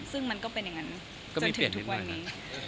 ซึ่งมันก็เป็นอย่างนั้นจนถึงทุกวันนี้